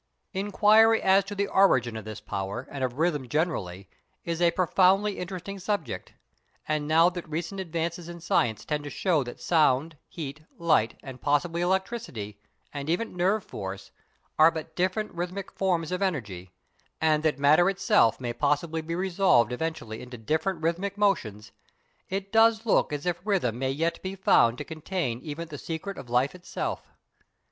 Inquiry as to the origin of this power and of rhythm generally is a profoundly interesting subject; and now that recent advances in science tend to show that sound, heat, light, and possibly electricity and even nerve force are but different rhythmic forms of energy, and that matter itself may possibly be resolved eventually into different rhythmic motions, it does look as if rhythm may yet be found to contain even the secret of life itself.